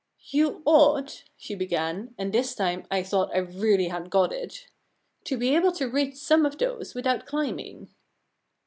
You ought,'* she began — and this time I thought I really had got it —" to be able to reach some of those without climbing.'